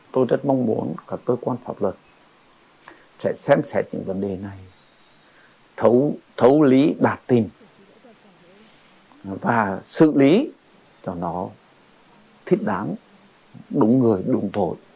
tôi rất mong muốn các cơ quan pháp luật sẽ xem xét những vấn đề này thấu lý bạt tin và xử lý cho nó thích đáng đúng người đúng tội